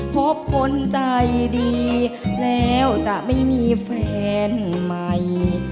พบคนใจดีแล้วจะไม่มีแฟนใหม่